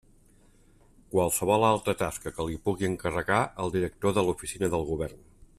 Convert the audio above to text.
Qualsevol altra tasca que li pugui encarregar el director de l'Oficina del Govern.